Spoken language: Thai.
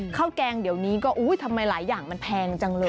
แกงเดี๋ยวนี้ก็อุ้ยทำไมหลายอย่างมันแพงจังเลย